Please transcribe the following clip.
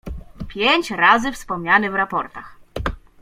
"Pięć razy wspomniany w raportach“."